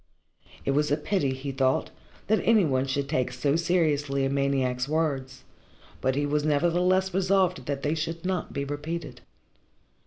It was a pity, he thought, that any one should take so seriously a maniac's words, but he was nevertheless resolved that they should not be repeated.